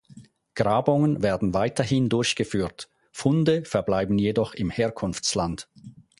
Grabungen werden weiterhin durchgeführt, Funde verbleiben jedoch im Herkunftsland.